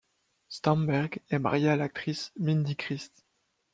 Stamberg est marié à l'actrice Myndy Crist.